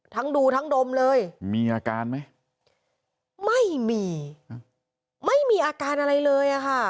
ทั้งดูทั้งดมเลยมีอาการไหมไม่มีไม่มีอาการอะไรเลยอ่ะค่ะ